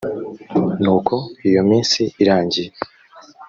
nuko iyo minsi irangiye